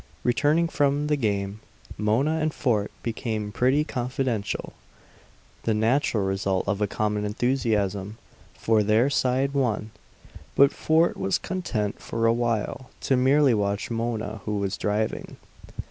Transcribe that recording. Returning from the game, Mona and Fort became pretty confidential, the natural result of a common enthusiasm; for their side won. But Fort was content for a while to merely watch Mona, who was driving.